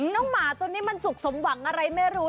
หมาตัวนี้มันสุขสมหวังอะไรไม่รู้